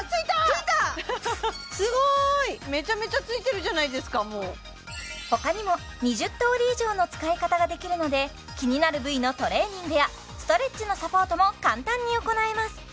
めちゃめちゃついてるじゃないですかもう他にも２０通り以上の使い方ができるので気になる部位のトレーニングやストレッチのサポートも簡単に行えます